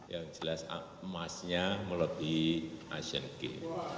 yang jelas emasnya meletih asian games